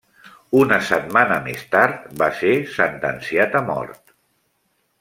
Una setmana més tard, va ser sentenciat a mort.